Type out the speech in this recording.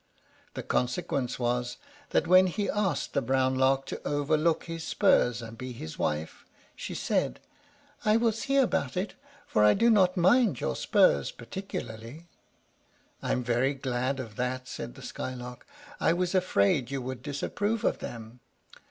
The consequence was, that when he asked the brown Lark to overlook his spurs and be his wife, she said: "I will see about it, for I do not mind your spurs particularly." "I am very glad of that," said the Skylark. "I was afraid you would disapprove of them."